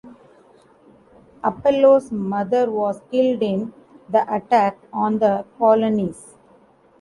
Apollo's mother was killed in the attack on the colonies.